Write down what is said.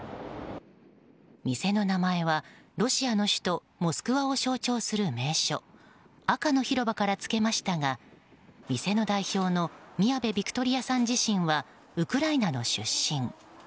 店の名前は、ロシアの首都モスクワを象徴する名所赤の広場からつけましたが店の代表のミヤベ・ビクトリアさん自身はウクライナの出身。